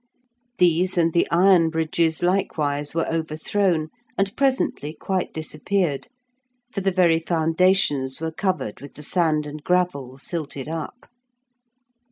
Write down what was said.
These and the iron bridges likewise were overthrown, and presently quite disappeared, for the very foundations were covered with the sand and gravel silted up.